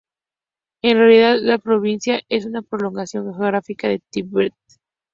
En realidad, la provincia es una prolongación geográfica del Tíbet.